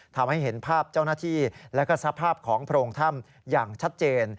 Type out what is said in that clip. ทำให้เห็นภาพเจ้าหน้าที่และก็สภาพของโพรงถ้ำอย่างชัดเจน